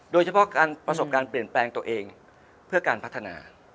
โดยเฉพาะการประสบการณ์เปลี่ยนแปลงตัวเองเพื่อการพัฒนา